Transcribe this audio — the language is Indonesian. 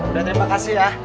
udah terima kasih ya